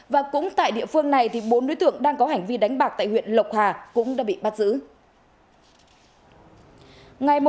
và cũng tại địa phương này thì bốn đối tượng đang có hành vi đánh bạc tại huyện lộc hà cũng đã bị bắt giữ